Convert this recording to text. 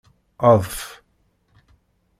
Adf!